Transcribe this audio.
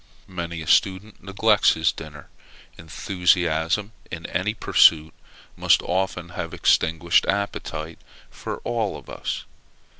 Many a student neglects his dinner; enthusiasm in any pursuit must often have extinguished appetite for all of us.